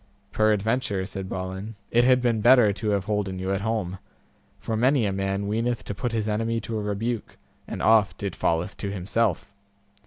Peradventure, said Balin, it had been better to have holden you at home, for many a man weeneth to put his enemy to a rebuke, and oft it falleth to himself.